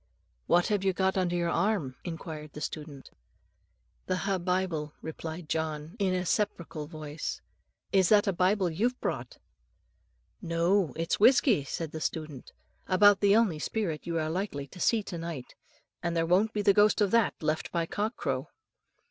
"What have you got under your arm?" inquired the student. "The ha' Bible," replied John, in a sepulchral voice; "is that a Bible you've brought?" "No, it's whisky," said the student, "about the only spirit you are likely to see to night; and there won't be the ghost of that left by cock crow."